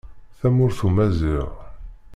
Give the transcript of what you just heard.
Tamurt umaziɣ.